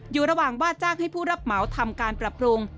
อยู่ระหว่างว่าจ้างให้ผู้รับเหมาทำการปรับปรุง